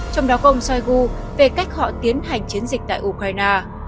trong đó có ông shoigu về cách họ tiến hành chiến dịch tại ukraine